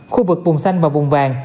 khu vực vùng xanh và vùng vàng